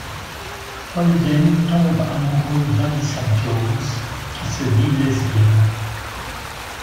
Holden tombe amoureux d'Alyssa Jones, qui se dit lesbienne.